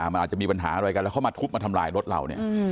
มันอาจจะมีปัญหาอะไรกันแล้วเขามาทุบมาทำลายรถเราเนี่ย